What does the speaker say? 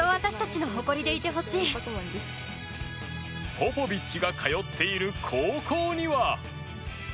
ポポビッチが通っている高校には。